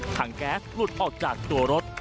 ถังแก๊สหลุดออกจากตัวรถ